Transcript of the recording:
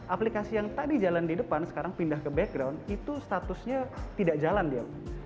aplikasi yang tadi jalan di depan sekarang pindah ke background itu statusnya tidak jalan dia